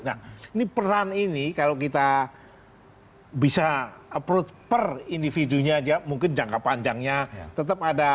nah ini peran ini kalau kita bisa approach per individunya aja mungkin jangka panjangnya tetap ada